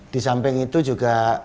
disamping itu juga